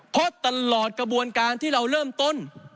เพราะตลอดกระบวนการที่เราเริ่มต้น